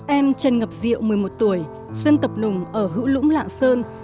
em trần ngọc diệu một mươi một tuổi dân tộc nùng ở hữu lũng lạng sơn